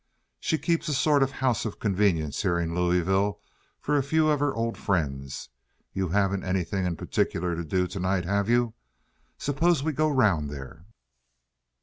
She keeps a sort of house of convenience here in Louisville for a few of her old friends. You haven't anything particular to do to night, have you? Suppose we go around there?"